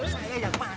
suruh pulang dateng toh